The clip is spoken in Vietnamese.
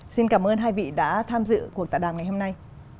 xin cảm ơn hai vị đã tham dự cuộc tạ đàm ngày hôm nay